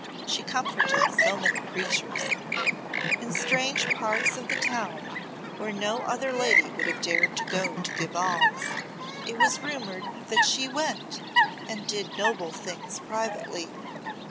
She comforted so many creatures. In strange parts of the town, where no other lady would have dared to go to give alms, it was rumoured that she went and did noble things privately.